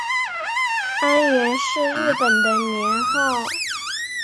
安元是日本的年号。